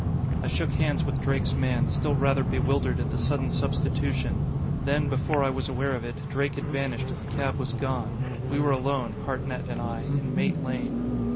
I shook hands with Drake's man, still rather bewildered at the sudden substitution. Then, before I was aware of it, Drake had vanished and the cab was gone. We were alone, Hartnett and I, in Mate Lane.